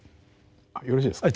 あよろしいですか。